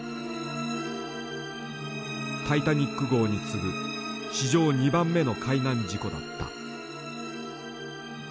タイタニック号に次ぐ史上２番目の海難事故だった。